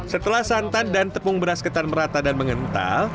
setelah santan dan tepung beras ketan merata dan mengental